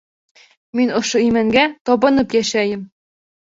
Мин ошо имәнгә табынып йәшәйем.